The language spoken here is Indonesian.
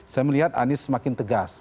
saya melihat anies semakin tegas